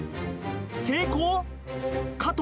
成功？